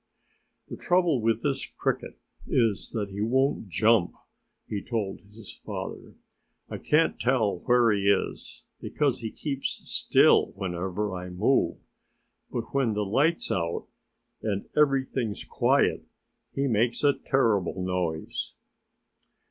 "The trouble with this Cricket is that he won't jump," he told his father. "I can't tell where he is, because he keeps still whenever I move. But when the light's out and everything's quiet he makes a terrible noise."